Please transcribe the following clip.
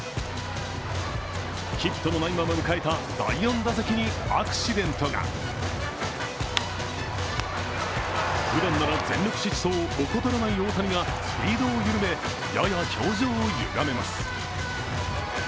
ヒットのないまま迎えた第４打席にアクシデントがふだんなら全力疾走を怠らない大谷がスピードを緩め、やや表情をゆがめます。